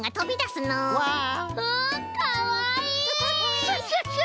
クシャシャシャ！